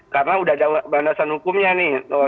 karena sudah ada bandasan hukumnya nih